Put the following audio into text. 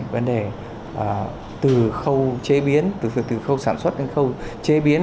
vấn đề từ khâu chế biến từ khâu sản xuất đến khâu chế biến